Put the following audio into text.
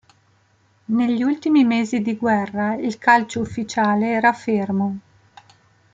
Negli ultimi mesi di guerra il calcio ufficiale era fermo.